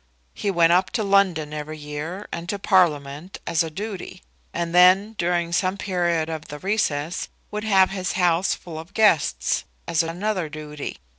He went up to London every year, and to Parliament, as a duty; and then, during some period of the recess, would have his house full of guests, as another duty.